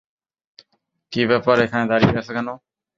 কী ব্যাপার, এখানে দাঁড়িয়ে আছ কেন?